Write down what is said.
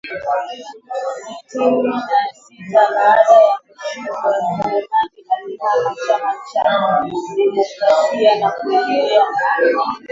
sitini na sita baada ya kushindwa Selemani alihamia Chama cha demokrasia na maendeleo na